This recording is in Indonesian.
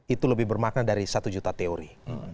itu lebih bermakna dari satu juta teori